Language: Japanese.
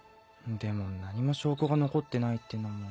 でも何も証拠が残ってないっていうのも。